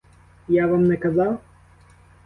Я вам не казав?